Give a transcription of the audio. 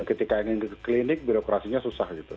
ketika ingin di klinik birokrasinya susah gitu